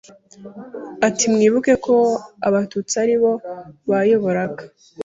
Ati mwibuke ko Abatutsi aribo bayoboraga